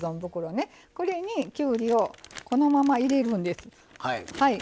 これにきゅうりをこのまま入れるんです。